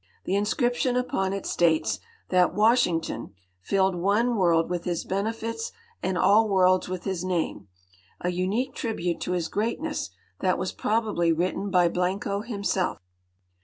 The inscription upon it states that Washing ton " Filled one world with his lienefits and all worlds with his name," a unique tribute to his greatness that was probably written by Blanco himself.